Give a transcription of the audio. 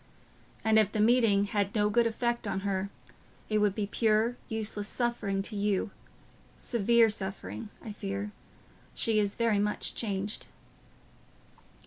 And if the meeting had no good effect on her, it would be pure, useless suffering to you—severe suffering, I fear. She is very much changed..."